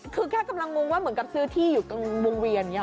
คือกลักษณ์งงเหมือนกับซื้อที่อยู่กลางวงเวียนป่ะเนี่ย